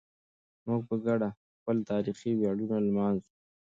موږ په ګډه خپل تاریخي ویاړونه لمانځو.